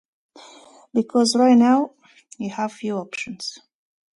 Because right now, you have few options.